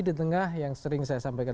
di tengah yang sering saya sampaikan